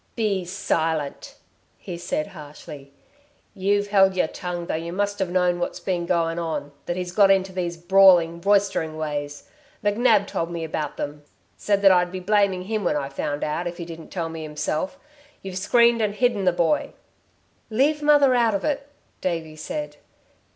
"Be silent!" he said harshly. "You've held y're tongue, though you must have known what's been going on that he's got into these brawling, roistering ways. McNab told me about them said that I'd be blaming him when I found out, if he didn't tell me himself. You've screened and hidden the boy." "Leave mother out of it," Davey said.